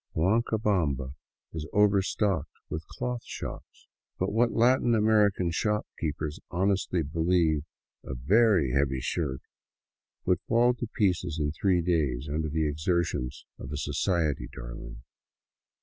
Huancabamba is overstocked with cloth shops; but what Latin American shopkeepers honestly believe a " very heavy shirt " would fall to pieces in three days under the exertions of a society darling.